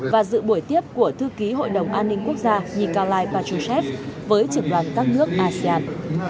và dự buổi tiếp của thư ký hội đồng an ninh quốc gia nikolai patrushev với trường đoàn các nước asean